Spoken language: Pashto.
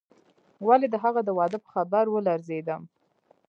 ولې د هغې د واده په خبر ولړزېدم.